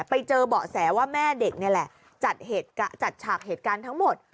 ไปเจอเบาะแสว่าแม่เด็กนี่แหละจัดฉากเหตุการณ์ทั้งหมด